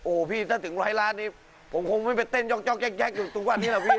โอ้โหพี่ถ้าถึงร้อยล้านนี้ผมคงไม่ไปเต้นยอกแก๊กอยู่ทุกวันนี้หรอกพี่